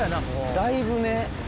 だいぶね。